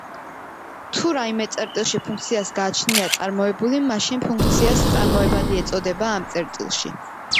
თუ რაიმე წერტილში ფუნქციას გააჩნია წარმოებული, მაშინ ფუნქციას წარმოებადი ეწოდება ამ წერტილში.